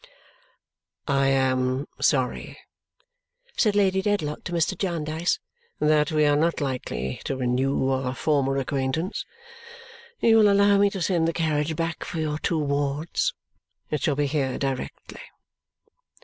"I am sorry," said Lady Dedlock to Mr. Jarndyce, "that we are not likely to renew our former acquaintance. You will allow me to send the carriage back for your two wards. It shall be here directly."